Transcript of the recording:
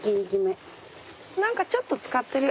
何かちょっと漬かってる。